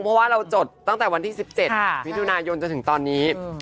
เพราะว่าเราจดตั้งแต่วันที่๑๗มิถุนายนจนถึงตอนนี้